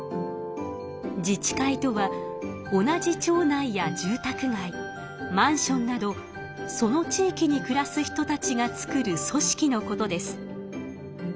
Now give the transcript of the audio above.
自治会とは同じ町内や住宅街マンションなどその地域にくらす人たちが作る組織のことです。